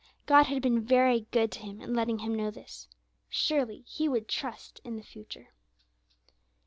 God had been very good to him in letting him know this. Surely, he would trust in the future.